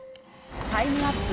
タイムアップ